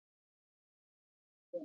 منی د افغان کورنیو د دودونو مهم عنصر دی.